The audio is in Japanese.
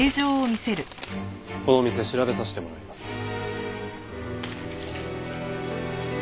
この店調べさせてもらいます。